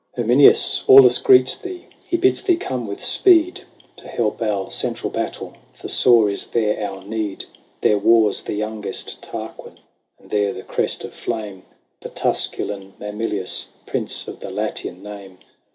XXIV. " Herminius ! Aulus greets thee ; He bids thee come with speed, To help our central battle ; For sore is there our need. There wars the youngest Tarquin, And there the Crest of Flame, The Tusculan Mamilius, Prince of the Latian name.